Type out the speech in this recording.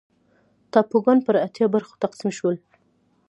ټاپوګان پر اتیا برخو تقسیم شول.